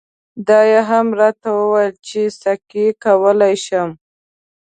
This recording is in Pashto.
دا یې هم راته وویل چې سکی کولای شم.